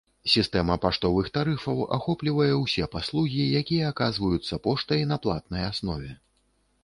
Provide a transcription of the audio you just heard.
Сістэма паштовых тарыфаў ахоплівае ўсе паслугі, які аказваюцца поштай на платнай аснове.